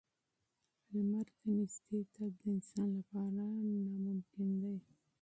لمر ته نږدې تګ د انسان لپاره ناممکن دی.